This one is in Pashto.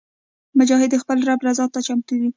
مجاهد د خپل رب رضا ته چمتو وي.